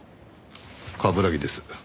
冠城です。